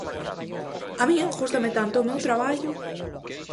A min gústame tanto o meu traballo...